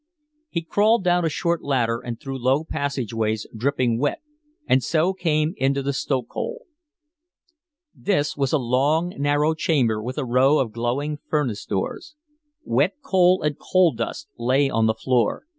He crawled down a short ladder and through low passageways dripping wet and so came into the stokehole. This was a long, narrow chamber with a row of glowing furnace doors. Wet coal and coal dust lay on the floor.